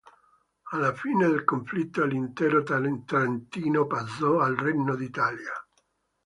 Alla fine del conflitto l'intero Trentino passò al Regnò d'Italia.